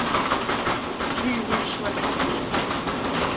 Oui, oui, sois tranquille.